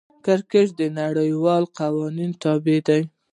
کرکټ د نړۍوالو قوانینو تابع دئ.